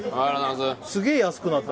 すげえ安くなった。